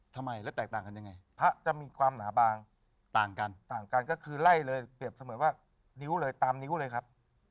ทำไมแล้วแตกต่างกันยังไงพระจะมีความหนาบางต่างกันต่างกันก็คือไล่เลยเปรียบเสมือนว่านิ้วเลยตามนิ้วเลยครับ